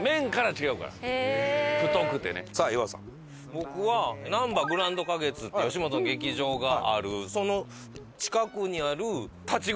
僕はなんばグランド花月っていう吉本の劇場があるその近くにある。